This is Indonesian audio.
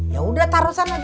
ya udah taro sana dong